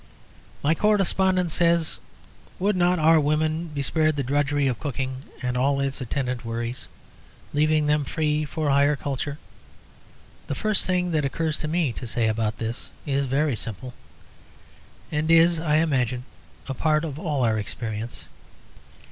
My correspondent says, "Would not our women be spared the drudgery of cooking and all its attendant worries, leaving them free for higher culture?" The first thing that occurs to me to say about this is very simple, and is, I imagine, a part of all our experience.